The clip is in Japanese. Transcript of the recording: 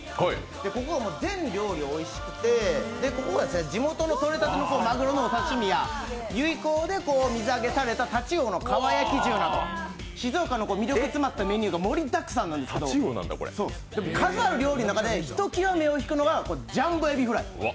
ここがもう、全料理おいしくて、地元のとれたてのマグロのお刺身や由比港で水揚げされた太刀魚を使ったかば焼き重など静岡の魅力詰まったメニューが盛りだくさんなんですけど、でも数ある料理の中でひときわ目を引くのがジャンボ海老フライ。